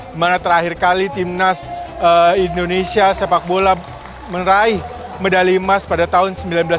di mana terakhir kali timnas indonesia sepak bola meneraih medali emas pada tahun seribu sembilan ratus sembilan puluh satu